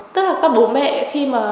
tức là các bố mẹ khi mà